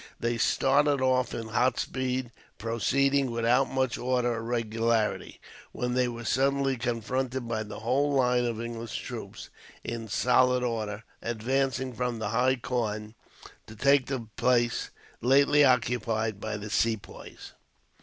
They started off in hot speed, proceeding without much order or regularity, when they were suddenly confronted by the whole line of English troops, in solid order, advancing from the high corn to take the place lately occupied by the Sepoys.